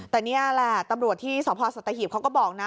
แต่เนี่ยล่ะตำรวจที่สตสัตหิพเขาก็บอกน่ะ